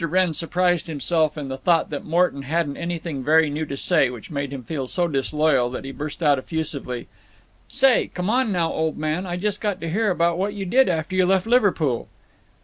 Wrenn surprised himself in the thought that Morton hadn't anything very new to say, which made him feel so disloyal that he burst out, effusively: "Say, come on now, old man; I just got to hear about what you did after you left Liverpool."